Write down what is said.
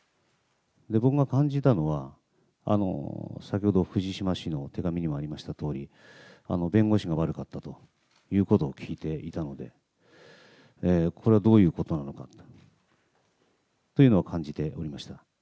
僕が感じたのは、先ほど藤島氏の手紙にもありましたとおり、弁護士が悪かったということを聞いていたので、これはどういうことなのかというのを感じておりました。